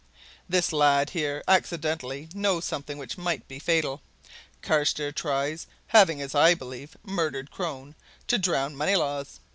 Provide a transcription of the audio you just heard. This lad here accidentally knows something which might be fatal Carstairs tries, having, as I believe, murdered Crone, to drown Moneylaws!